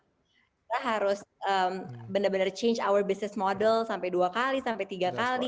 kita harus benar benar change our business model sampai dua kali sampai tiga kali